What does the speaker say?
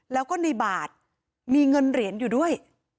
แล้วก็ในบาทมีเงินเหรียญอยู่ด้วย